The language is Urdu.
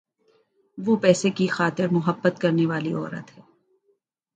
وہ پیسے کی خاطر مُحبت کرنے والی عورت ہے۔`